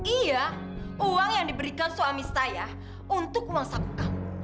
iya uang yang diberikan suami saya untuk uang saku kamu